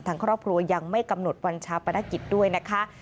ทางครอบครัวยังไม่กำหนดวันชาปนกิจด้วยนะคะ